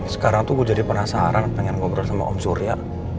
sekarang tuh gue jadi penasaran pengen ngobrol sama om surya